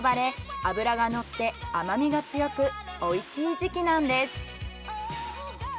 脂がのって甘みが強く美味しい時期なんです。